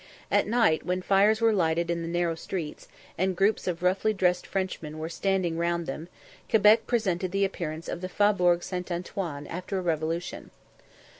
At night, when fires were lighted in the narrow streets, and groups of roughly dressed Frenchmen were standing round them, Quebec presented the appearance of the Faubourg St. Antoine after a revolution.